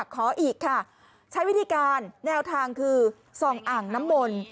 ขออีกค่ะใช้วิธีการแนวทางคือส่องอ่างน้ำมนต์